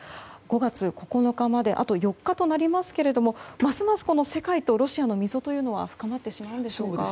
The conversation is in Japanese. ５月９日まであと４日となりますけれどもますます世界とロシアの溝というのは深まってしまうんでしょうか。